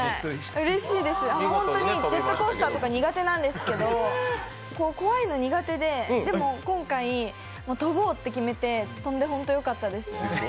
ホントにジェットコースターとか苦手なんですけど、怖いの苦手ででも今回飛ぼうって決めて飛んで本当によかったです。